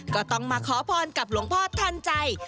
ก็ต้องมาขอพรกับหลวงพ่อทันใจ